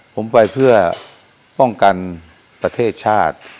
ผมไปเพื่อป้องกันประเทศชาติ